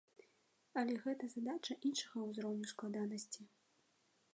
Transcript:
Але гэта задача іншага ўзроўню складанасці.